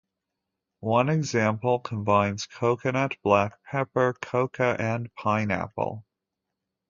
One example combines coconut, black pepper, cocoa and pineapple.